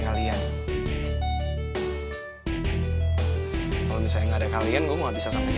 kalau misalnya ada kalian gue bisa sampai ini